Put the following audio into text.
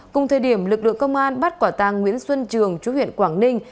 cùng thời điểm lực lượng công an bắt quả tàng nguyễn xuân trường chú huyện quảng ninh